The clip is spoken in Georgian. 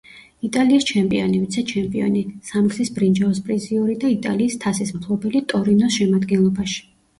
იტალიის ჩემპიონი, ვიცე-ჩემპიონი, სამგზის ბრინჯაოს პრიზიორი და იტალიის თასის მფლობელი „ტორინოს“ შემადგენლობაში.